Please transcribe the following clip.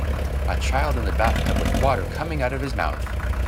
A child in the bathtub with water coming out of his mouth.